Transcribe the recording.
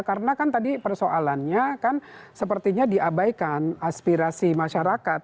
karena kan tadi persoalannya kan sepertinya diabaikan aspirasi masyarakat